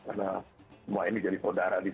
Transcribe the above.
karena semua ini jadi saudara di sini